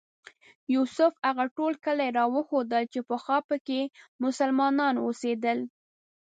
یوسف هغه ټول کلي راوښودل چې پخوا په کې مسلمانان اوسېدل.